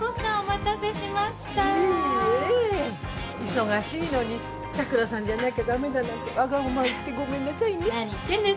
忙しいのに桜さんじゃなきゃ駄目だなんてわがまま言ってごめんなさいね。